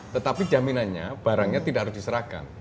tetapi jaminannya barangnya tidak harus diserahkan